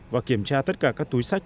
và kiểm tra tất cả các túi sách